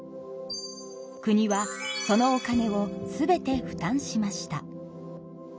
国はそのお金を全て負担しました。